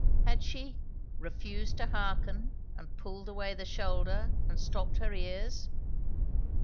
Had she "refused to hearken and pulled away the shoulder and stopped her ears"?